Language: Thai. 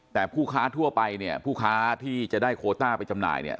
แต่ผู้ค้าทั่วไปเนี่ยผู้ค้าที่จะได้โคต้าไปจำหน่ายเนี่ย